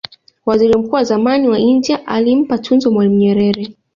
waziri mkuu wa zamani wa india alimpa tuzo mwalimu nyerere